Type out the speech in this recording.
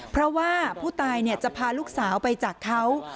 เพราะว่าผู้ตายจะพาลูกสาวไปจากเขา